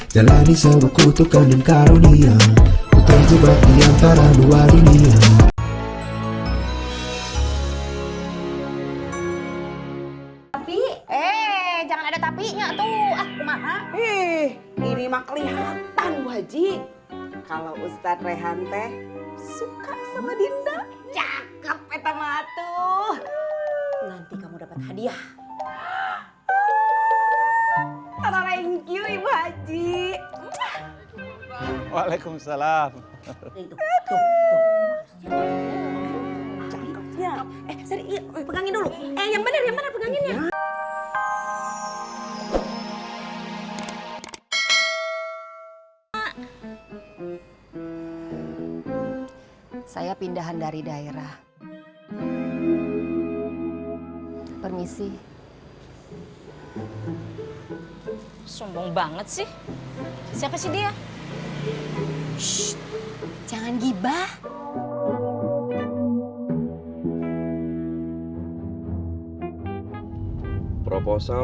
jalani sewaku tukang dan karunia ku terjebak di antara dua dunia